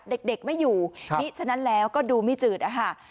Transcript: เด็กไม่อยู่มิฉะนั้นแล้วก็ดูไม่จืดนะคะ